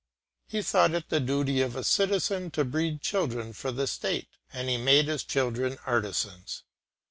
He thought it the duty of a citizen to breed children for the state, and he made his children artisans.